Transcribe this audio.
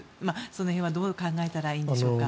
その辺はどう考えたらいいんでしょうか。